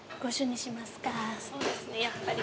そうですねやっぱり。